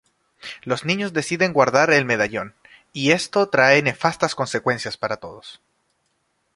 Los niños deciden guardar el medallón, y esto trae nefastas consecuencias para todos.